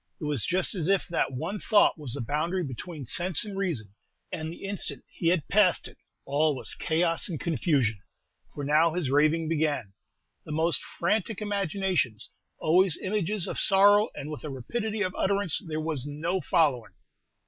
It was just as if that one thought was the boundary between sense and reason, and the instant he had passed it, all was chaos and confusion; for now his raving began, the most frantic imaginations; always images of sorrow, and with a rapidity of utterance there was no following.